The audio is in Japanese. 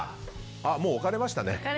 もう置かれましたね。